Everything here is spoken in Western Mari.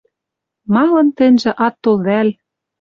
Малын тӹньжӹ ат тол вӓл?